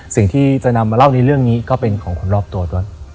สิ่งที่จะนำมาเล่าในเรื่องนี้ก็เป็นของคนรอบตัวด้วย